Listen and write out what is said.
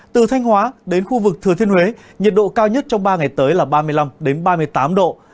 từ thanh hóa đến khu vực thừa thiên huế nhiệt độ cao nhất trong ba ngày tới là ba mươi năm ba mươi tám độ